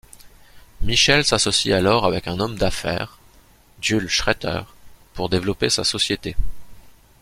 Michel s'associe alors avec un homme d'affaires, Jules Schreter, pour développer sa société.